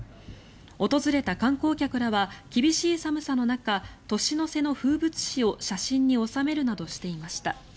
訪れた観光客らは厳しい寒さの中年の瀬の風物詩を写真に収めるなどしていました。